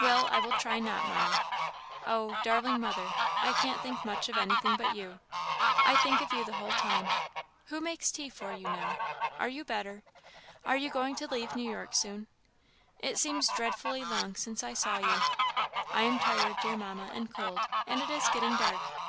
Well, I will try not, Mamma. Oh! darling mother, I can't think much of anything but you. I think of you the whole time. Who makes tea for you now? Are you better? Are you going to leave New York soon? It seems dreadfully long since I saw you. I am tired, dear Mamma, and cold; and it is getting dark.